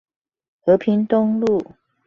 和平東路